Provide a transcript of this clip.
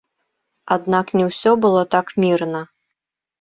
Аднак не ўсё было так мірна.